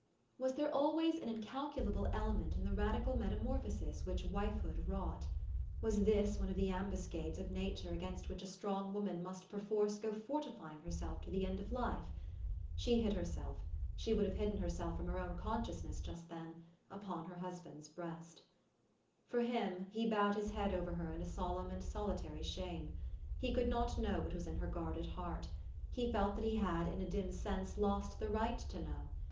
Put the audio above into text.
Was there always an incal culable element in the radical metamorphosis which wifehood wrought ? Was this one of the ambuscades of nature against which a strong woman must per force go fortifying herself to the end of life ? She hid herself she would have hidden herself from her own consciousness just then upon her hus band's breast. For him, he bowed his head over her in a solemn and solitary shame. lie could not know what was in her guarded heart. He felt that he had in a dun sense lost the right to know.